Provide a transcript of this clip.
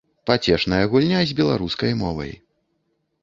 Пацешная гульня з беларускай мовай.